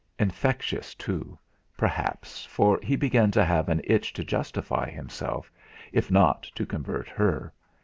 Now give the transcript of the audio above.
Infectious too, perhaps, for he began to have an itch to justify himself, if not to convert her.